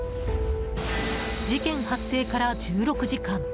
事件発生から１６時間